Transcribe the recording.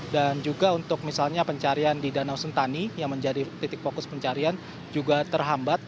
dan juga untuk misalnya pencarian di danau sentani yang menjadi titik fokus pencarian juga terhambat